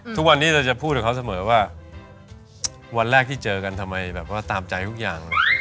ทุกวันนี้เราจะพูดกับเขาเสมอว่าวันแรกที่เจอกันทำไมแบบว่าตามใจทุกอย่าง